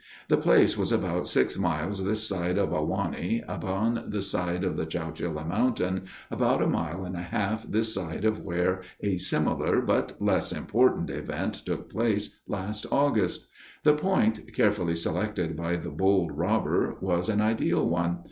The place was about six miles this side of Ahwahnee, upon the side of the Chowchilla Mountain, about a mile and a half this side of where a similar, but less important, event took place last August. The point, carefully selected by the bold robber was an ideal one.